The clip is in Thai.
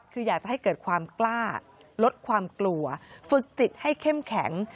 คืออยากจะให้เกิดความกล้าลดความกลัวฝึกจิตให้เข้มแข็ง